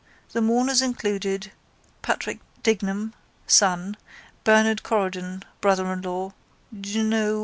The mourners included: Patk. Dignam (son), Bernard Corrigan (brother in law), Jno.